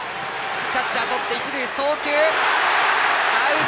キャッチャーとって一塁送球。